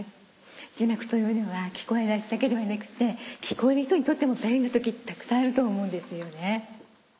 字幕というのは聞こえない人だけではなくて聞こえる人にとっても便利な時ってたくさんあると思うんですよね。